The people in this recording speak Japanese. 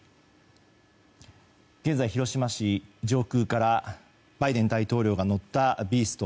現在、広島市上空からバイデン大統領が乗った「ビースト」。